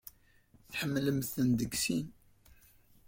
Tḥemmlemt-ten deg sin.